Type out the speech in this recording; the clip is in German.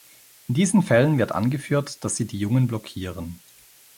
In diesen Fällen wird angeführt, dass sie die Jungen blockieren.